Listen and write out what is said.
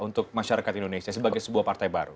untuk masyarakat indonesia sebagai sebuah partai baru